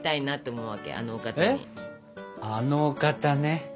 あのお方ね？